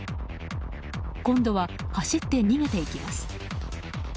今度は走って逃げていきます。